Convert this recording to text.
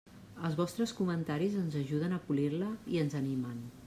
Els vostres comentaris ens ajuden a polir-la, i ens animen.